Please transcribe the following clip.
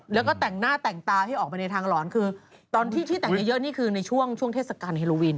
แล้วก็แต่งหน้าแต่งตาให้ออกไปในทางหลอนคือตอนที่ที่แต่งเยอะนี่คือในช่วงเทศกาลเฮโลวิน